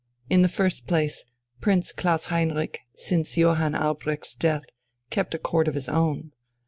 In the first place, Prince Klaus Heinrich, since Johann Albrecht's death, kept a Court of his own.